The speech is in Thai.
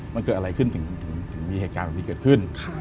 มันเกิดอะไรขึ้นถึงมีเหตุการณ์แบบนี้เกิดขึ้น